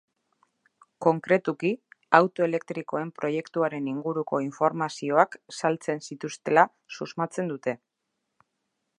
Konkretuki, auto elektrikoen proiektuaren inguruko informazioak saltzen zituztela susmatzen dute.